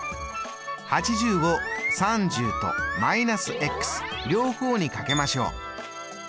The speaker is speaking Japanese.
８０を３０とー両方にかけましょう。